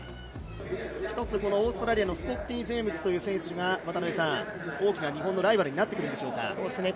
ひとつオーストラリアのスコッティ・ジェームズという選手が大きな日本のライバルになってくるんでしょうか。